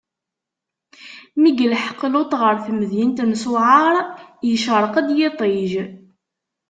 Mi yelḥeq Luṭ ɣer temdint n Ṣuɛar, icṛeq-d yiṭij.